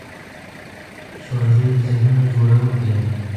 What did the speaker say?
ښوونځی د ذهنونو جوړوونکی دی